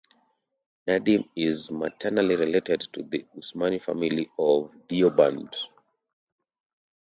Nadeem is maternally related to the Usmani family of Deoband.